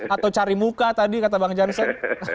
atau cari muka tadi kata bang jansen